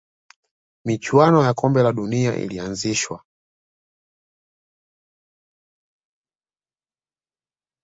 michuano ya kombe la dunia ilianzishwa